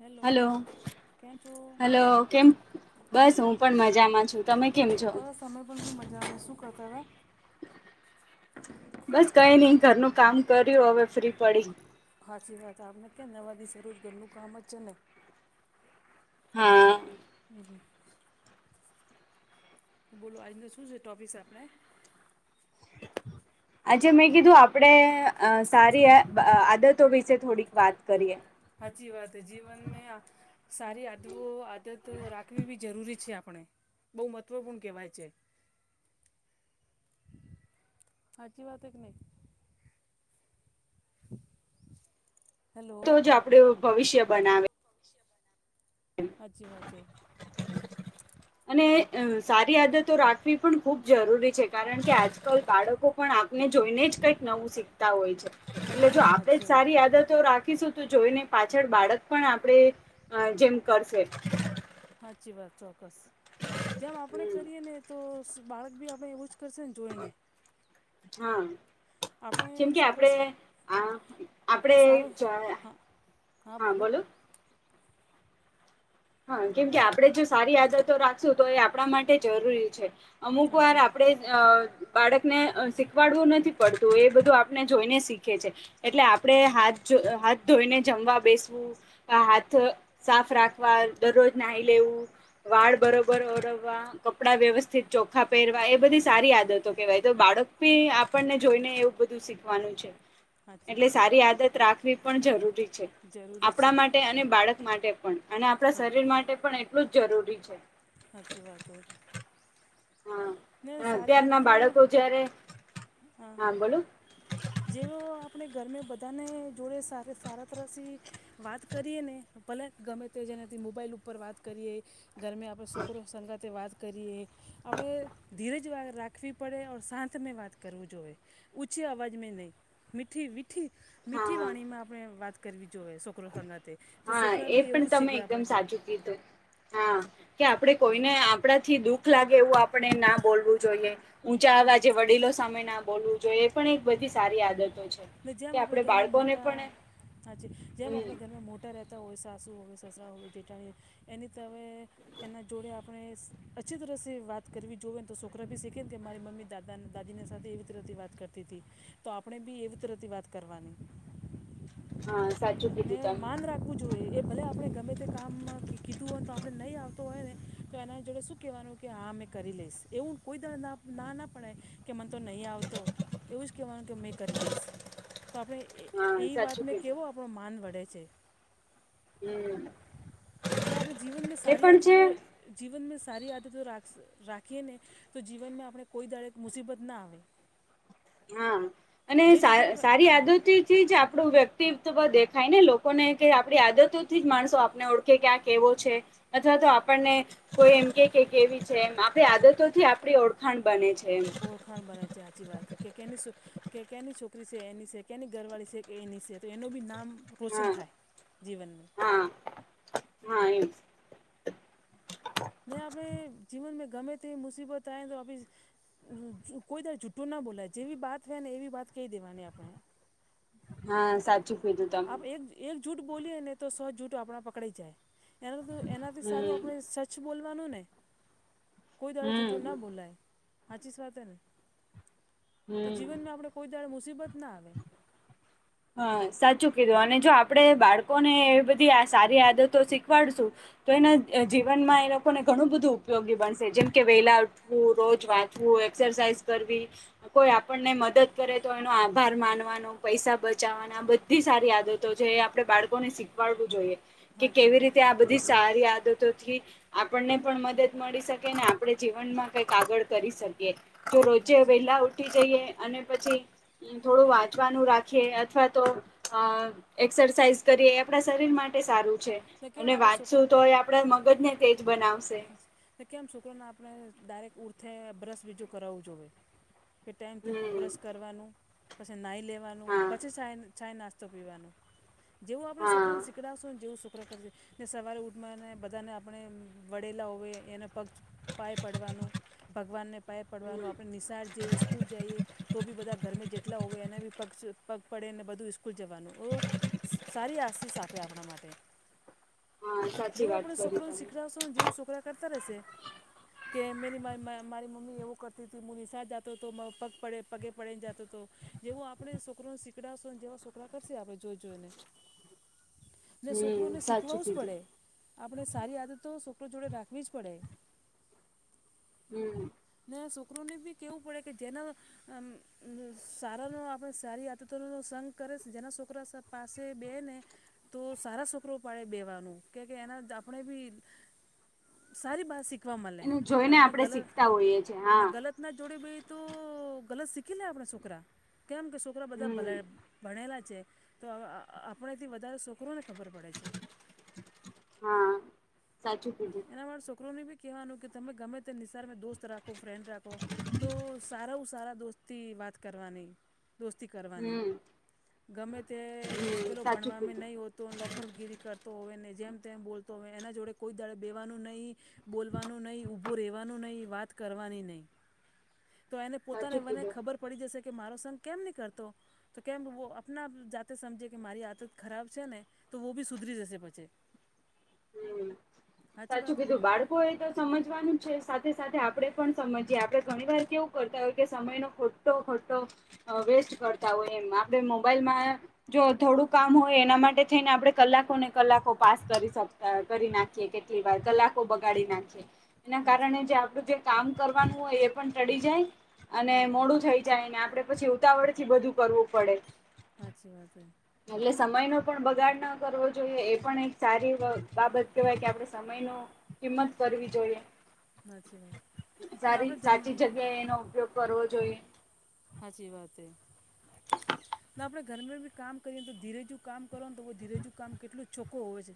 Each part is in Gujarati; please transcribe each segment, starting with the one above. હેલો હલો કે હલો કેમ બસ હું પણ મજામાં છું તમે કેમ છો સમય પણ બી મજા આવે શું કરતા હતા બસ કઈ નઈ ઘરનું કામ કર્યું હવે ફ્રી પડી સાાચી વાત આપને કે નવા દિવસે રોજ ઘરનું કામ જ છે ને હા હમ હમ બોલો આજને શું છે ટોપિકસ આપણે અચ્છે મેં કીધું આપણે સારી આદતો વિશે થોડીક વાત કરીએ સાચી વાત હ જીવન મે સારી આદવઓ આદત રાખવી બી જરૂરી છે આપણે બહુ મહત્ત્વપૂર્ણ કહેવાય છે હાચી વાત કે નહી [inaudible] હેલો તો જ આપડે ભવિષ્ય બનાવે સાચી વાત હ [inaudible] અને સારી આદતો રાખવી પણ ખૂબ જરૂરી છે કારણ કે આજ લ બાળકો પણ આપને જોઈને જ કંઈક નવું શીખતા હોય છે એટલે જો આપડે જ સાચી વાત સારી આદતો રાખીશું તો જોઈને પાછળ બાળક પણ આપડે જેમ કરશે સાાચી વાત ચોક્કસ જેમ આપણે હમ કરીએ ને તો બાળક બી આપણે એવું જ કરશે ને જોઈએ ને હા આપણે જેમ કે સારો આપણેે આ આપણે સારો આપડે હા હા બોલો હા કેમ કે આપડે જો સારી આદતો રાખશું તો એ આપણા માટે જરૂરી છે અમુક વાર હાચી વાત આપડેજ અ બાળક ને અ શીખવાડવું નથી પડતું, એ બધું આપને જોઈને શીખે છે. એટલે આપણે હાથ જોઈ, હાથ ધોઈને જમવા બેસવું, આ હાથ સાફ રાખ વાર દરરોજ નાહી લેવું, વાળ બરોબર ઓરવવા, ક કપડા વ્યવસ્થિત ચોખા પહેરવા, એ બધી સારી આદતો કેહેવાય. તો બાળક પી આપણને જોઈને એવું બધું શીખવાનું છે. સાચી એટલે વાત સારી આદત રાખવી પણ જરૂરી છે, જરૂરી છે આપણા માટે અને બાળક માટે પણ. અને આપણા હા શરીર માટે પણ એટલું જ જરૂરી છે. હાચી વાત હે. હા ને હા સારી અત્યારના આદતો બાળકો જયારે હા જેવો આપણે ઘરમે બધાને જોડે સરે સારા તરહ થી વાત કરીએને, ભલે ગમે તે જેનાથી મોબાઈલ ઉપર વાત કરીએ. ગરમે આપણે છોકરો સંગાતે વાત કરીએ, આપણે ધીરજ વા રાખવી પડે, ઓર સાંત મેં વાત કરવું જોવે, ઉછી અવાજ મે નહીં. મીઠી, મીઠી, મીઠી હા વાણી માં આપણે વાત કરવી જોવે છોકરો સંગતે. હા, એ પણ તમે એકદમ સાચું કીધું. હા, હાચી કે આપણેે કોઈને આપણાથી દુઃખ લાગે એવું આપણે ના બોલવું જોઈએ. ઊંચા હા આવાજે વડીલો સામે ના બોલવું જોઈએ, એ પણ એક બધી સારી આદતો છે. ને જેમ કે આપણે ઘરમાં બાળકોને મોટા, પણ હા છે જેમ આપણે હમ ઘરમાં મોટા રહેત તો હોય, સાસુ હોય, સસુરા હોય, જેઠાણી એની તવે, એના જોડે આપણે અચ્છી તરસે વાત કરવી જોઈએ ને, તો છોકરા બી શીખે કે મારી મમ્મી દાદા ન દાદી ની સાથે એવી તરતી વાત કરતી હતી, તો આપણેબી એવી તરતી વાત કરવાની. [inaudible] સાચું ને કીધું માન તમે રાખું જોઈએ, એ ભલે આપણે ગમે તે કામમાં કી કીધું હોય, તો આપણે નહીં આવતો હોય, ને તો એના જોડે શું કવાનું કે હા મે કરી લઈશ, એવું કોઈ દારે ના ના ના પડાય, કે મને તો નહીં આવતો, એવું જ કહેવાનું કે મેં કરી દઈશ, તો આપણે એ હા ઈ સાચું વાતને કીધું કેવો આપણો માન વળે છે. હમ ના આપણે જીવનમે એ સારી પણ છે આદતો જીવનમે સારી આદતો રાખસ, રાખીએને, તો જીવનમાં આપ આપડે કોઈ દાડે એક મુસીબત ના આવે. હા, અને જે સા સારી જગ્યા આપણે આદતી છે જ હા આપણું વ્યક્તિત્વ દેખાય ને લોક કોને કે આપણી આદતોથી જ માણસો આપને ઓળખે કે આ કેવો છે. અથવા તો આપણને કોઈ એમ કે, કે કેવી છે એમ આપણી આદતોથી આપણી ઓળ ખાણ બને છે એમ. ખાણ બને છે, હાચી વાત હે, કે કેનેું કે કેની છોકરી છે? એની છે, કેની ઘરવાળી છે? એની છે, તો એનું બી નામ રોશન હા થાય. જીવનમે. હા હા એમ ને આપણે જીવન મે ગમે તે મુસીબત આય તો ઓબી જુ કોઈ દાડે જુઠ્ઠું ના બોલાય, જેવી વાત હોય ને એવી વાત કહી દેવાની આપણે. હા સાચ ચુ કીધું તમે આપ એક એક જૂઠ બોલીએને, તો સો જૂઠ આપણા પકડાઈ જાય. ત્યારે તું, એના એનાથી સારું હમ આપણે સચ્ચ બોલવાનું ને. કોઈ દાડે જૂઠું ના હમ બોલાય, હાચીસ વાત હે ને, તો હમ જીવનમાં આપડો. કોઈ દળો મુસીબત ના આવે. હા સાચું કીધું, અને જો આપડે બાળકોને એ બધી આ સારી આદતો શીખવાડશું. તો એના અ જીવનમાં એ લોકોને ઘણું બધું ઉપયોગી બનશે, જેમ કે વહેલા ઉઠવું, રોજ વાંત ચવું, એક્સરસાઇઝ કરવી, કોઈ આપ આપણને મદદ કરે તો એનો આભાર માનવાનો પૈસા બચ બચાવવા ના બધી સારી આદતો છે આપણે બાળકોને શીખવાડવું જોઈએ કે હાચી કેવી વાત રીતે છે. આ બ બઘી સારી આદતોથી આપણને પણ મદદ મળી શકે ને આપણે જીવનમાં કઈક આગળ કરી શકીએ. જો હમ રોજે હાચી. વેલા ઉઠી જઈએ અને પછી થોડું વાંચવાનું રાખીએ. અથવા તો અ એક્સરસાઇઝ કરીએ એ આપણા શરીર માટે સારું છે તો કેમ અને આપણે વાંચશું તો છોકરોને એ આપણા મગજને તેજ બનાવશે. હા તે કેમ છોકડોને આપણે ડાયરેક્ટ ઉઊર્થે બ્રશ બીજું કરાવવું જોઈએ. કે ટાઈમ તું હમ બ્રશ કરવાનું પછી નાઈ લેવાનું હા પછી સાય ચાય નાસ્તો પીવાનું જેવું આપણે હા છોકરાને શીખ પાવશોને જેવું શુક્ર કરશે ને સવારે ઉઠવાને બધાને આપણે વડેલા હોય એને પક્ષ પાય પડવાનું ભગવાનને પાય પડવાનું હમ આપણે નિશાળ જે સ્કૂલ જઈએ તો બી બધા ઘરમે જેટલા હોય એને બી પગચ પગ પડે ને બધું સ્કૂલ જવાનું ઓ સારી આસિસ આપે આપણા માટે. [inaudible] સાચી જેવું વાત આપણે કરી છોકડુંને તમે શીખડાવશો જેવું છોકરા કરતા રહેશે. કે મેરી મા મારી મમ્મી એવું કરતી હતી મું નિશાળ જાતો તો પગ પડે પગે પડેને જાતો હતો. જેવું આપણે છોકરોને સીકડાશો જેવા છોકરા કરશે આપડણે જોઈ જોઈને. [inaudible] ને છોકરોને સાચું શીખવાવું જ કીધું પડે આપણે સારી આદતો છોકરો જોડે રાખવી જ પડે. હમ. ને છોકરોને બી કેવું પડે કે જેના સારાનો આપણે સારી આતતોનો સંગ કરે છે જેના છોકરા પાસે બે ને તો સારા છોકરો પાડે બેવાનું કે કે એના આપણે બી સારી બાત શીખવા મળેને એને જોઈને આપણે ગલ શીખતા હોઈએ છે ને હા ગલત ના જોડે બે તો ગલત શીખી લે આપણા છોકરા કેમ કે છોકરા બધા હમ ભલા ભણેલા છે તો આપણેથી વધારે છોકરોને ખબર પડે છે. હા. સાચો બોલ. ના વાળ છોકરોને બી કહેવાનું કે તમે ગમે તે નિશસારમાં દોસ્ત રાખ. ફ્રેન્ડ રાખો તો સારા ઓ સારા દોસ્ત થી વાત કરવાની. દોસ્તી કરવાની હમ ગમે તે હમ પેલો સાચું ભણવામાં કીધું નહીં હોત. તો લોપરગીરી કરતો હોય ને જેમ તેમ બોલતો હોય એના જોડે કોઈ દડ બેવાનું નહી. બોલવાનું નહીં ઊભું રહેવાનું નહીં વાત કરવાની નહીં. તો એને પોતાને સાચું મને કીધું ખબર પડી જશે કે મારો સંગ કેમ નહી કરતો. તો કેમ આપના જાતે સમજે કે મારી આદત ખરાબ છે ને તો બી સુધરી જશે પછે. હમ સાચી સાચું વાત હે કે કીધું નહીં બાળ. કોઈ એ તો સમજવાનું છે સાથે સાથે આપણેે પણ સમજીએ આપણે ઘણી વાર કેવું કરતા હોય કે સમય ન ખોટો. તો ખોટો વેસ્ટ કરતા હોય એમ આપણે મોબાઈલમાં. જો થોડું કામ હોય એના માટે થઈને આપડણે કલાકો ને કલાકો પાસ કરી શકી. કરી નાખીએ કેટલી વાર કલાકો બગાડી નાખીએ એના સાચી કારણે જે આપડું જે. કામ કરવાનું હોય એ પણ ટળિ જાય અને હા મોડું થઈ જાય અને આપડે. પછી ઉતાવળ થી બધું કરવું પડે. સાાચી વાત હે. એટલે સમયનો પણ બગાડ ના કરવો જોઈએ એ પણ એક સારી બાબત કેહેવાય કે આપડ સમયનો. કિંમત કરવી જોઈએ સાચી વાત ના સારી આપણે જમ સાચી જગ્યાએ એનો ઉપયોગ. કરવો જોઈએ. સાાચી વાત એ. તો આપણે ઘર બી કામ કરીએ તો ધીરેજુ કામ કરો ને તો ધીરેજુ કામ કેટું જ ચોખ્ખું હોય છે.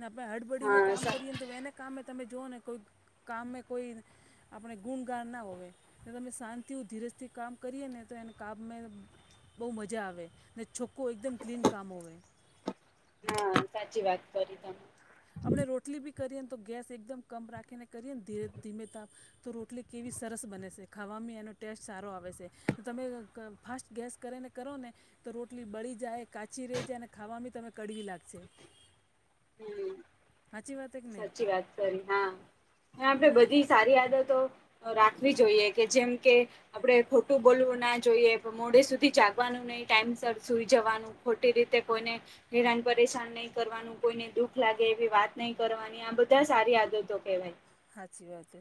ને આપણે હળબડી હા મેં કામ કરીએને તો એને કામે તમે જઓ ને કોઈ કામે કોઈ. આપણે ગુણગાન ના હોય તમે શાંતિ ધીરજ. થી કામ કરીએ ને તો એને કામે. બઉુ મજા આવે ને છોખ્ખું એકદમ ક્લીન કામ હો. હા સાચી વાત કરી તમે. આપણે રોટલી બી કરીએ ને તો ગેસ એકદમ કમ રાખીને કરીએ ને ધી ધીમે તાપ. તો રોટલી કેવી સરસ બને છે ખાવામાં એનો ટેસ્ટ સારો આવે છે. તમે ફાસ્ટ ગેસ કરીને કરો ને. તો રોટલી બળી જાય કાચી રહી જાય અનેને ખાવાી તને કડવી લાગશે. હમ. સાચી વાત કે નહીં સાચી વાત કરી હા આપે એનાથી બધી આપણે સારી આદતો. રાખવી જોઈએ કે જેમ કે આપણે ખોટું બોલવું ના જોઈએ. મોડે સુધી જાગવાનું નહી. ટાઈમ સર સુઈ જવાનું ખોટી રીતે કોઈને હેરાન પરેશાન નહી કરવાનું. કોઈને દુઃખ લાગે એવી વાત નહી કરવાની આ બધા સારી આદતો કેહેવાય. સાાચી વાત.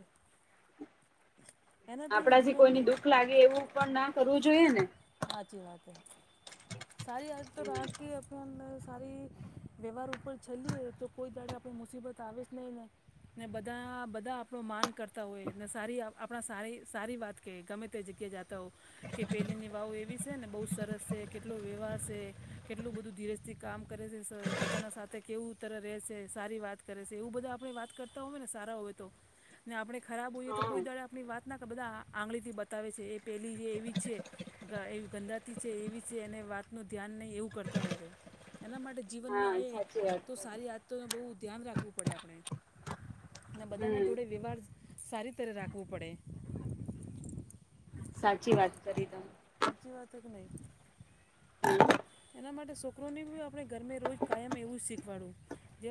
એનાથી આપડાથી કોઈને જીવનમાં દુઃખ લાગે એવું પણ ના કરવું જોઈએ ને. હા અચછી વાતે. સારી આદ તો રાખી સારી વ્યવહાર ઉપર ચલીએ તો કોઈ દાડે આપણી મુસીબત આવે જ નહીં. ને બધા બધા આપણો માન કરતા હોય સારી આપણા સ સારી વાત. કે ગમે તે જગ્યાએ જતા હો કે પેલીની વાવ એવી છે ને બહુ સરસ છે કે. કેટલો વ્યવહાર છે કેટલું બધું ધીરજથી કામ કરે છે બધાના સાથે કેવુંતર રહેશે સારી વાત. કરે છે એવું બધા આપણે વાત કરતા હોય ને સારા હોય તો. ને આપણે ખરાબ હોઈએ તો કોઈ હા દાડે આપની વાત ના કે બધા આંગળી થી બતાવે છે એ પેલી જે એવી જ છે. એ ગંદાતી છે એવી. છે એને વાતનું ધ્યાન નહીં એવું કરતા હોય એના માટે જીવનમાં હા આવે સાચી વાત તો કરી સારી આ. તો બહુ ધ્યાન રાખવું પડે આપણે અને બધા ના હમ જોડે વ્યવહાર. સારી તરે રાખવું પડે સાચી વાત કરી તમે સાચી વાત કે નહીં હમ એના માટે છોકરો ને આપડણે ઘર રોજ કાયમ એવું જ શીખવાડવું જે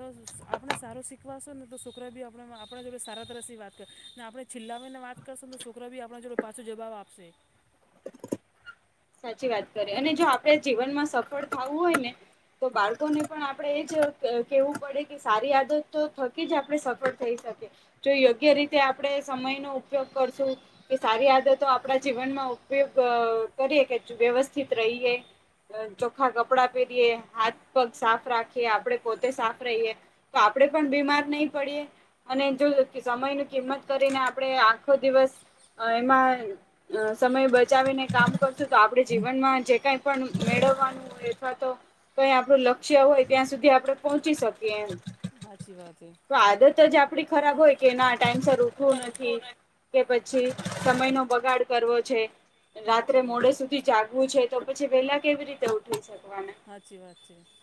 આપણે સારું શીખવાશો ને તો શુકરા બી આપ આપણા જોડે સારા તરસ સ વાત કર ને આપણે છેલ્લાવીને વાત કરસંદ છોકરા બી આપણા જોડે પાછો જવાબ આપશે સાચી વાત કરીે અને જો આપડે જીવનમાં સફળ થવું હોય ને તો બાળકોને પણ આપણે એ જ કહેવું પડે કે સારી આદત તો થકી જ આપણે સફળ થઈ શકીએ જો યોગ્ય રીતે આપણેે સમય નો ઉપયોગ કરશું કે સારી આદતો આપણા જીવનમાં ઉપયોગ કરીએ કે વ્યવસ્થિત રહીએ ચોખ્ખા કપડાં પહેરીએ હાથ પગ સાફ રાખીએ આપણેે પોતે સાફ રહીએ તો આપણેે પણ બીમાર નહી પડીએ અને જો સમયની કિંમત કરીને આપણે આ દિવસ એમાં સમય બચાવીને કામ તો આપડે જીવનમાં જે કઈ પણ મેળવવાનું હોય અથવા તો તોહી આપડું લક્ષ્ય હોય ત્યાં સુધી આપણે પહોંચી શકીએ એમ હાચી વાત હૈ તો આદત જ આપડી ખરાબ હોય કે એના ટાઈમ પર રઠવું નથી કે પછી સમય નો બગાડ કરવો છે રાત્રે હાજીી વાત મોડે જાગવું છે તો પછી પેલા કેવી રીતે ઉઠી શકવાના હાચી વાત છેી વા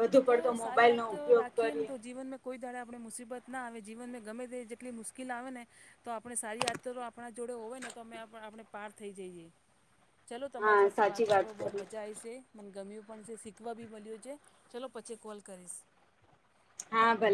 વધુ તો પડતો સારી મોબાઈલ આત નો તો ઉપયોગ રાખીએ ને કરીએ તો જીવન મે કોઈ દાડે આપણે મુસીબત ના આવે જીવનને ગમે તે જેટલી મુશ્કેલ આવે ને તો આપણે સારી આયાદત આપણા જોડે હોય ને તો અમે આ આપણે પાર થઈ જઈએ. ચલો તમારી હા સાથે વાત સાચી કરવા બહુ કરી મજા આ છે મને ગમ્યું પણ છે શીખવા બી મળ્યું છે. ચાલો પછી કોલ કરીશ. હા ભલે.